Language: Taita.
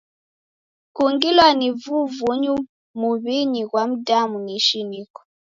Kungilwa ni vivunyu muw'inyi ghwa mdamu ni ishiniko.